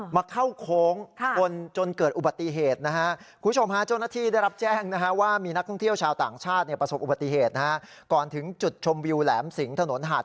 มาเข้าโค้งชนจนเกิดอุบัติเหตุนะฮะ